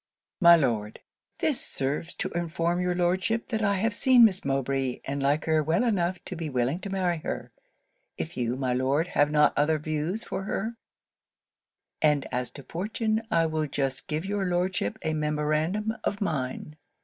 'My Lord, 'This serves to inform your Lordship, that I have seen Miss Mowbray, and like her well enough to be willing to marry her, if you, my Lord, have not any other views for her; and as to fortune, I will just give your Lordship a memorandum of mine.